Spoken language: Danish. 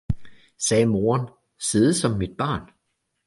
sagde moderen, sidde som mit barn!